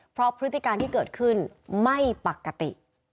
เพราะพฤติการที่เกิดขึ้นไม่ปกติ